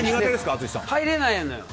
入れないのよ。